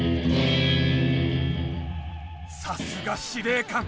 さすが司令官！